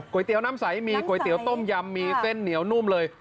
เตี๋ยวน้ำใสมีก๋วยเตี๋ยต้มยำมีเส้นเหนียวนุ่มเลย